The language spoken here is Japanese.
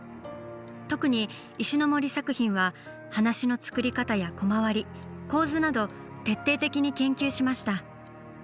特に石森作品は話の作り方やコマ割り構図など徹底的に研究しました。